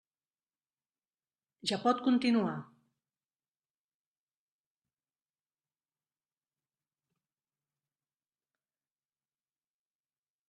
Ja pot continuar.